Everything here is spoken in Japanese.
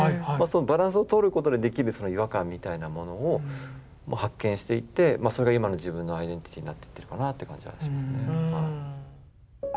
バランスをとることでできる違和感みたいなものを発見していってそれが今の自分のアイデンティティーになってるかなって感じはしますね。